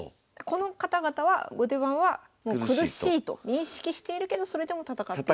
この方々は後手番はもう苦しいと認識しているけどそれでも戦っていると。